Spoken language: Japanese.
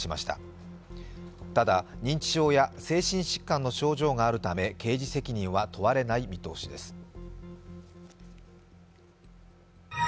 ただ、認知症や精神疾患の症状があるため刑事責任は問われない見通しです。